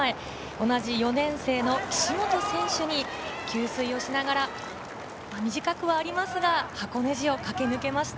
同じ４年生の岸本選手に給水をしながら、短くではありますが箱根路を駆け抜けました。